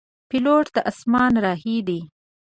پیلوټ د اسمان راهی دی.